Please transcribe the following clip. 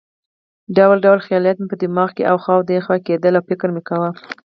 ډول ډول خیالات مې په دماغ کې اخوا دېخوا کېدل او فکر مې کاوه.